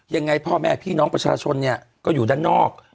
ยังไงพ่อแม่พี่น้องประชาชนเนี่ยก็อยู่ด้านนอก